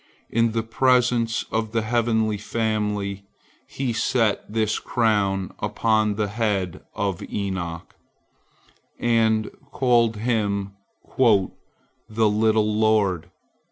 In the presence of the heavenly family, He set this crown upon the head of Enoch, and called him "the little Lord."